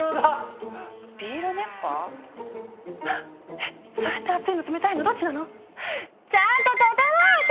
えっそれって熱いの冷たいのどっちなの⁉ちゃんとととのえて！